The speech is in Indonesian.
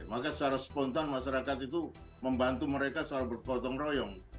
maka secara spontan masyarakat itu membantu mereka secara bergotong royong